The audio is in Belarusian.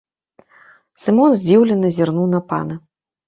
Сымон здзіўлена зірнуў на пана.